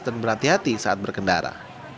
dan berhati hati saat berkendara